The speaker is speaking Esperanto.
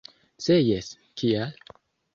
Se jes, kial?